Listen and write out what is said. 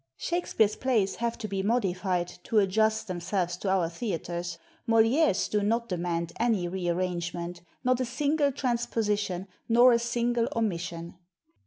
Shakspere's plays have to be modified to adjust themselves to our thea ters; Moliere's do not demand any rearrange ment, not a single transposition nor a single omission.